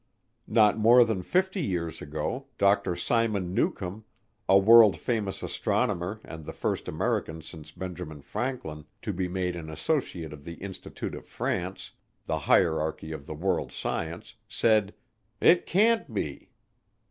Not more than fifty years ago Dr. Simon Newcomb, a world famous astronomer and the first American since Benjamin Franklin to be made an associate of the Institute of France, the hierarchy of the world science, said, "It can't be."